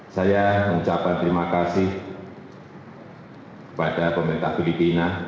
saya mengucapkan terima kasih kepada pemerintah filipina